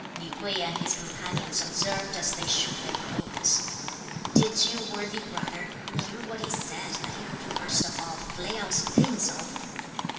Li Kuei and his companions observed as they shook their clothes, "Did you, worthy brother, hear what he said that he would first of all flay our skins off!